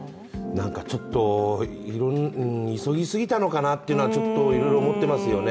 なんかちょっと、急ぎすぎたのかなというのはいろいろ思っていますよね。